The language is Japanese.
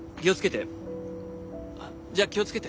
気を付けて。